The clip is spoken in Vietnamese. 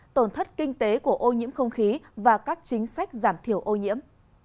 tổn thất kinh tế của ô nhiễm không khí và các chính sách giảm thiểu ô nhiễm